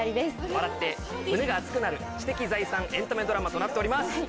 笑って胸が熱くなる知的財産エンタメドラマとなっております。